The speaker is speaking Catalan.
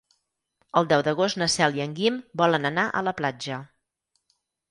El deu d'agost na Cel i en Guim volen anar a la platja.